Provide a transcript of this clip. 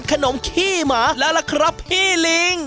กลับเข้าสู่รายการออบาตอร์มาหาสนุกกันอีกครั้งครับ